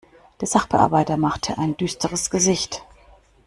Der Sachbearbeiter machte ein düsteres Gesicht.